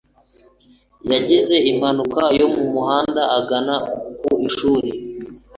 Yagize impanuka yo mumuhanda agana ku ishuri.